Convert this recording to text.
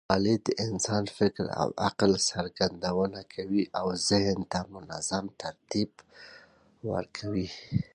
لیکوالی د انساني فکر او عقل څرګندونه کوي او ذهن ته منظم ترتیب ورکوي.